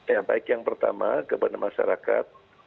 ya baik yang pertama kepada masyarakat